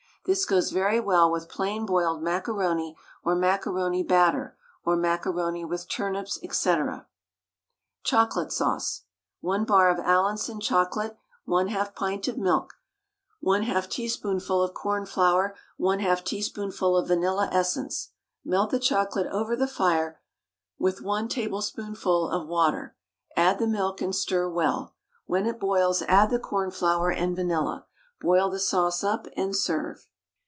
This goes very well with plain boiled macaroni, or macaroni batter, or macaroni with turnips, &c. CHOCOLATE SAUCE. 1 bar of Allinson chocolate, 1/2 pint of milk, 1/2 teaspoonful of cornflour, 1/2 teaspoonful of vanilla essence. Melt the chocolate over the fire with 1 tablespoonful of water, add the milk, and stir well; when it boils add the cornflour and vanilla. Boil the sauce up, and serve.